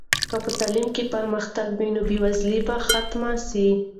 که په تعلیم کې پرمختګ وي نو بې وزلي به ختمه سي.